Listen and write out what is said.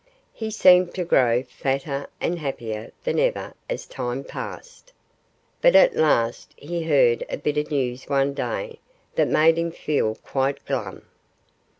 He seemed to grow fatter and happier than ever as time passed. But at last he heard a bit of news one day that made him feel quite glum.